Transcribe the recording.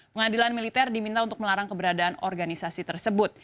pengadilan militer diminta untuk melarang keberadaan organisasi tersebut